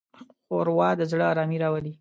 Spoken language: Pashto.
ښوروا د زړه ارامي راولي.